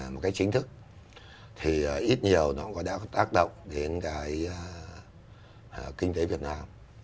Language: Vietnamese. một cái chính thức thì ít nhiều nó cũng đã có tác động đến cái kinh tế việt nam